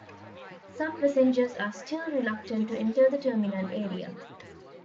Some passengers are still reluctant to enter the terminal area.